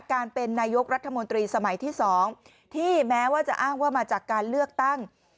การเป็นนายกรัฐมนตรีสมัยที่๒ที่แม้ว่าจะอ้างว่ามาจากการเลือกตั้ง